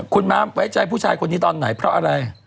คุณม้าไว้ใจผู้ชายคนนี้ตอนไหนเพราะอะไร